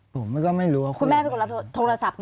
ผมก็ไม่รู้ว่าคุณแม่เป็นคนรับโทรศัพท์